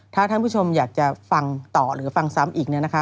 ถ้าท่านผู้ชมอยากจะฟังต่อหรือฟังซ้ำอีก